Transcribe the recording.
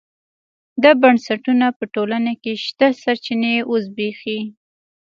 دا بنسټونه په ټولنه کې شته سرچینې وزبېښي.